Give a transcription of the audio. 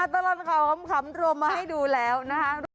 ตลอดขอบคำโดยมาให้ดูแล้วนะครับ